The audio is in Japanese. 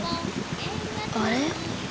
あれ？